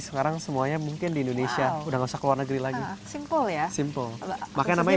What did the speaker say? sekarang semuanya mungkin di indonesia udah nggak keluar negeri lagi simple ya simple makanya